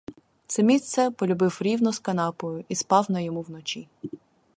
Це місце полюбив рівно з канапою і спав на йому вночі.